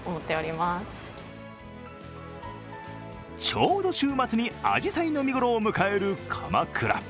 ちょうど週末にあじさいの見ごろを迎える鎌倉。